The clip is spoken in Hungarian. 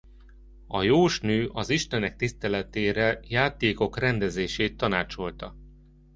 A jósnő az istenek tiszteletére játékok rendezését tanácsolta.